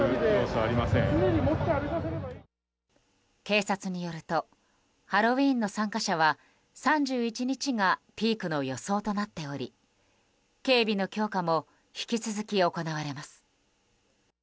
警察によるとハロウィーンの参加者は３１日がピークの予想となっており警備の強化も引き続き行われます。